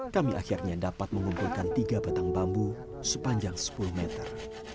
kami akhirnya dapat mengumpulkan tiga batang bambu sepanjang sepuluh meter